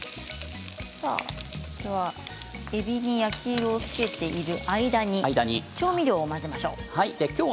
えびに焼き色をつけている間に調味料を混ぜましょう。